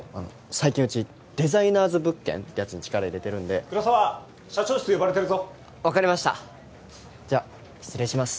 最近うちデザイナーズ物件ってやつに力入れてるんで・黒澤社長室呼ばれてるぞ分かりましたじゃあ失礼します